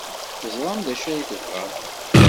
Teẓram d acu ay tebɣam.